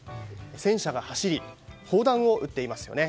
戦車が走り砲弾を撃っていますよね。